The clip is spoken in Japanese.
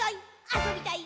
あそびたい！